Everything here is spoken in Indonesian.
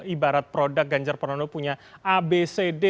ibarat produk ganjar pranowo punya abcd